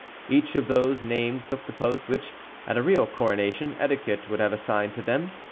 Each of those named took the posts which, at a real coronation, etiquette would have assigned to them.